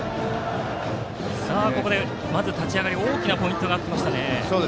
ここでまず立ち上がり大きなポイントになりました。